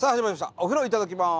「お風呂いただきます」。